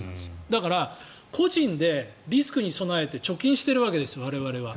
だから、個人でリスクに備えて貯金しているわけです我々は。